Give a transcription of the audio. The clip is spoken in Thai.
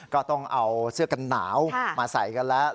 ก็ต้องเอาเสื้อกันหนาวมาใส่กันแล้ว